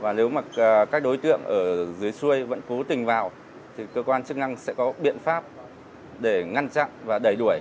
và nếu mà các đối tượng ở dưới xuôi vẫn cố tình vào thì cơ quan chức năng sẽ có biện pháp để ngăn chặn và đẩy đuổi